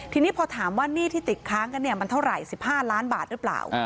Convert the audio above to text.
ทีนี้พอถามว่าหนี้ที่ติดค้างกันเนี่ยมันเท่าไหร่๑๕ล้านบาทหรือเปล่า